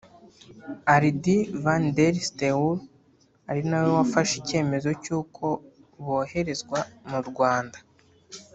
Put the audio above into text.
Ard van der Steur ari nawe wafashe icyemezo cy’uko boherezwa mu Rwanda